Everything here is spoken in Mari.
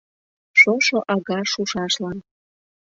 Шошо ага шушашлан